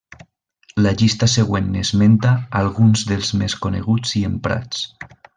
La llista següent n'esmenta alguns dels més coneguts i emprats.